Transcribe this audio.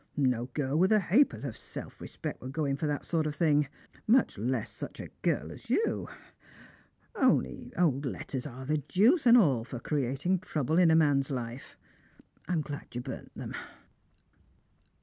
'No girl with a hap'orth of self yespect would go in for that sort of thing ; much less such a girl as you. Only old letters are the deuce and all for creating trouble in a man's life. I'm glad you burnt 'em."